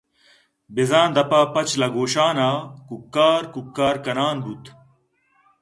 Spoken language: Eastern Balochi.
بہ زاں دپ ءَ پچ لگوشان ءَ کوٛار کوٛار کنان بُوت